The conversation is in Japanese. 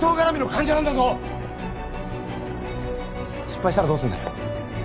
失敗したらどうするんだよ？